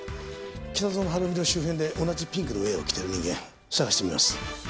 北園晴美の周辺で同じピンクのウェアを着ている人間探してみます。